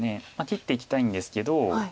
切っていきたいんですけど。